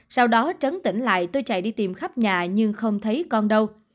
sau đó trấn tỉnh lại tôi chạy đi tìm khắp nhà nhưng không thấy con đâu